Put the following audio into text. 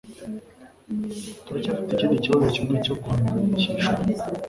Turacyafite ikindi kibazo kimwe cyo guhangayikishwa.